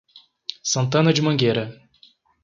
Santana de Mangueira